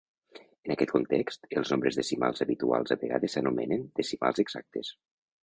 En aquest context, els nombres decimals habituals a vegades s'anomenen "decimals exactes".